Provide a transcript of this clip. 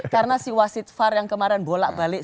karena si wasit far yang kemarin bolak balik